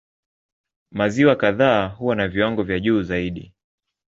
Maziwa kadhaa huwa na viwango vya juu zaidi.